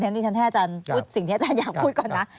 ดิฉันให้อาจารย์พูดสิ่งที่อาจารย์อยากพูดก่อนนะ